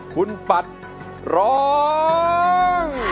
คุณปัดร้อง